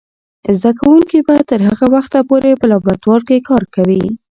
زده کوونکې به تر هغه وخته پورې په لابراتوار کې کار کوي.